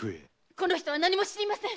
この人は何も知りません。